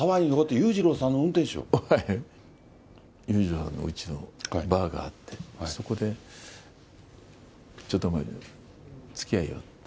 裕次郎さんのうちにバーがあって、そこで、ちょっとお前つきあえよって。